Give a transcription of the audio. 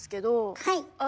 はい。